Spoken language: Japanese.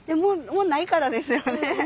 もうないからですよね？